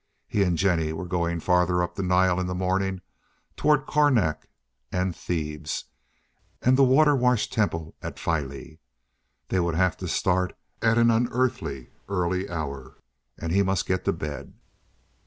He and Jennie were going farther up the Nile in the morning—toward Karnak and Thebes and the water washed temples at Phylæ. They would have to start at an unearthly early hour, and he must get to bed.